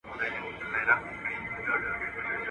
خداى خپل بنده گوري، بيا پر اوري.